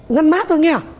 ngăn mát thôi nha